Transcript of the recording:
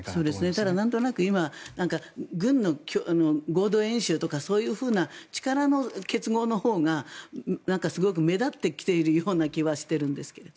ただ、今軍の合同軍事演習などそういうふうな力の結合のほうがすごく目立ってきているような気はしてきているんです。